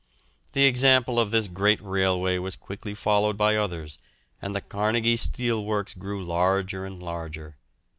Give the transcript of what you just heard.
The example of this great railway was quickly followed by others, and the Carnegie Steel Works grew larger and larger.